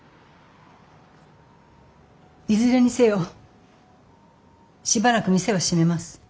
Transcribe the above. いずれにせよしばらく店は閉めます。